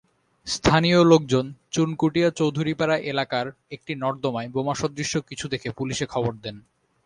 স্থানীয় লোকজন চুনকুটিয়া চৌধুরীপাড়া এলাকার একটি নর্দমায় বোমাসদৃশ কিছু দেখে পুলিশে খবর দেন।